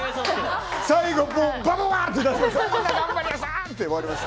最後バババーって出した。